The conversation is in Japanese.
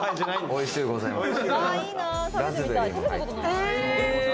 おいしゅうございます。